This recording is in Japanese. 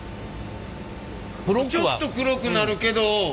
ちょっと黒くなるけど。